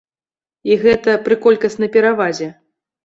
І гэта пры колькаснай перавазе.